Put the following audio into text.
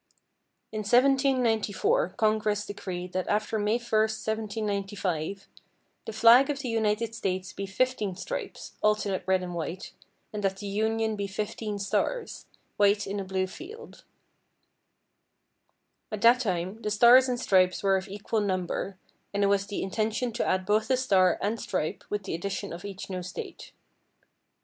In 1794 Congress decreed that after May 1st, 1795, "The flag of the United States be fifteen stripes, alternate red and white, and that the Union be fifteen stars, white in a blue field." At that time the stars and stripes were of equal number, and it was the intention to add both a star and stripe with the addition of each new State.